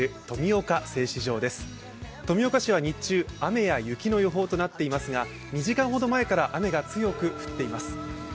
富岡市は日中、雨や雪の予報となっていますが２時間ほど前から雨が強く降っています。